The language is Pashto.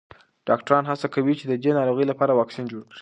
ډاکټران هڅه کوي چې د دې ناروغۍ لپاره واکسین جوړ کړي.